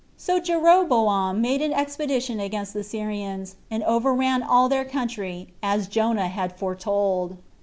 So Jeroboam made an expedition against the Syrians, and overran all their country, as Jonah had foretold.